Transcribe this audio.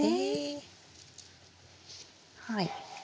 はい。